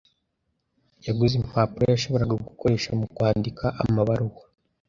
Yaguze impapuro yashoboraga gukoresha mu kwandika amabaruwa.